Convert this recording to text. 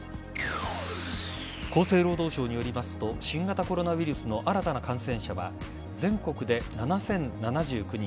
厚生労働省によりますと新型コロナウイルスの新たな感染者は全国で７０７９人